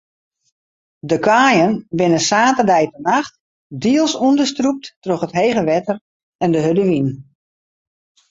De kaaien binne saterdeitenacht diels ûnderstrûpt troch it hege wetter en de hurde wyn.